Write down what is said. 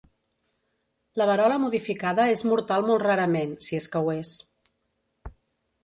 La verola modificada és mortal molt rarament, si és que ho és.